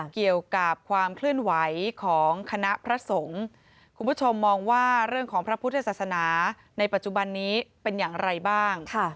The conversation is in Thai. เกี่ยวกับความเคลื่อนไหวของคณะพระสงฆ์คุณผู้ชมมองว่าเรื่องของพระพุทธศาสนาในปัจจุบันนี้เป็นอย่างไรบ้าง